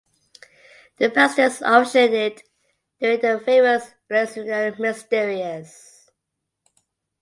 The Priestess officiated during the famous Eleusinian Mysteries.